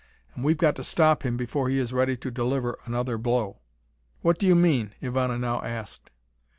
And we've got to stop him before he is ready to deliver another blow." "What do you mean?" Ivana now asked.